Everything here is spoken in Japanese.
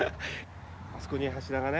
あそこに柱がね